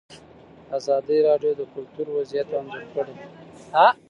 ازادي راډیو د کلتور وضعیت انځور کړی.